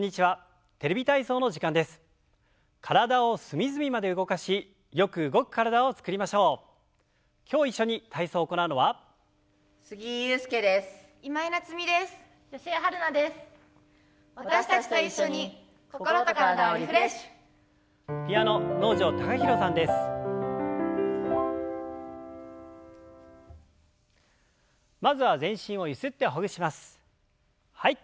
はい。